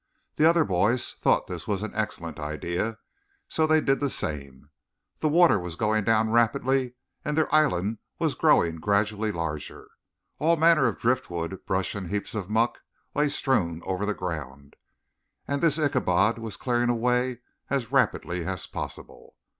The other boys thought this was an excellent idea, so they did the same. The water was going down rapidly and their island was growing gradually larger. All manner of driftwood, brush and heaps of muck lay strewn over the ground, and this Ichabod was clearing away as rapidly as possible.